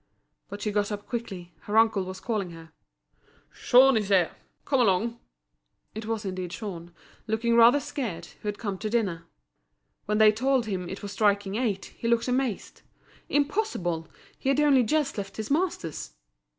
But she got up quickly, her uncle was calling her. "Jean is here. Come along." It was indeed Jean, looking rather scared, who had come to dinner. When they told him it was striking eight, he looked amazed. Impossible! He had only just left his master's.